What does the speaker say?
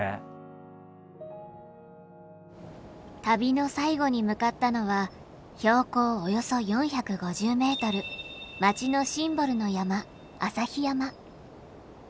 旅の最後に向かったのは標高およそ４５０メートル町のシンボルの山朝日山。